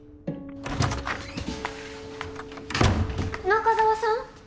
中澤さん？